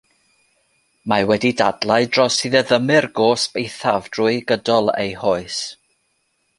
Mae wedi dadlau dros ddiddymu'r gosb eithaf drwy gydol ei hoes.